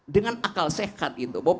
dengan akal sehat itu bahwa